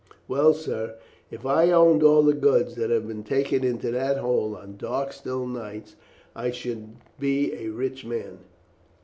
"Well, sir, if I owned all the goods that have been taken into that hole on dark still nights I should be a rich man."